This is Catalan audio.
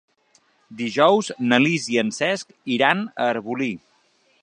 Dijous na Lis i en Cesc iran a Arbolí.